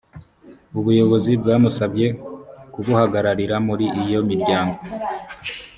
ubuyobozi bwamusabye kubuhagararira muri iyo miryango